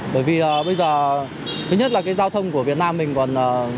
bởi vì bây giờ thứ nhất là cái giao thông của việt nam mình còn